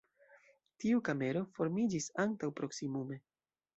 Tiu kamero formiĝis antaŭ proksimume.